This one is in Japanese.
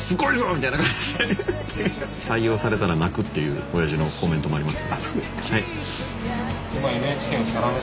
みたいな感じで「採用されたら泣く」っていうおやじのコメントもありますね。